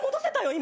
今。